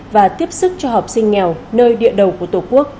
và tiếp sức cho học sinh nghèo nơi địa đầu của tổ quốc